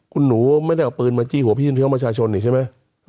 คุณหนูไม่ได้เอาปืนมาจี้หัวพี่น้องประชาชนอีกใช่ไหม